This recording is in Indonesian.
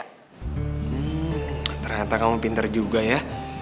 hmm ternyata kamu pinter juga ya